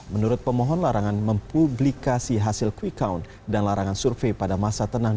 menurut pemohon larangan mempublikasi hasil quick count dan larangan survei pada masa tenang